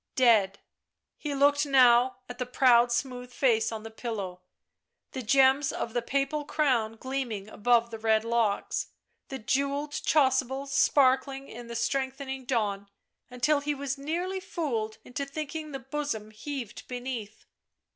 Dead. ... He looked now at the proud smooth face on the pillow ; the gems of the papal crown gleaming above the red locks, the jewelled chasuble sparkling in the strengthening dawn until he was nearly fooled into thinking the bosom heaved beneath.